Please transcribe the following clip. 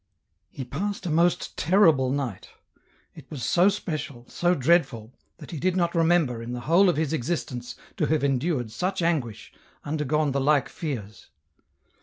He passed a most terrible night ; it was so special, so dreadful, that he did not remember, in the whole of his existence, to have endured such anguish, undergone the like fears.